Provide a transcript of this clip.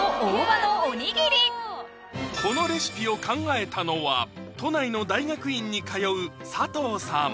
このレシピを考えたのは都内の大学院に通う佐藤さん